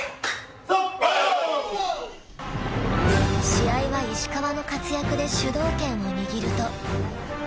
［試合は石川の活躍で主導権を握ると］